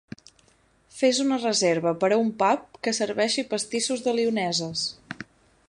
Fes una reserva per a un pub que serveixi pastissos de lioneses